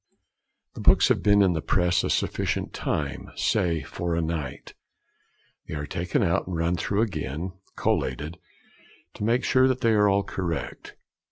The books having been in the press a sufficient time, say for a night, they are taken out, and run through again (collated) to make sure that they are all correct.